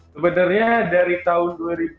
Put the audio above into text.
sebenarnya dari tahun dua ribu sembilan dua ribu sepuluh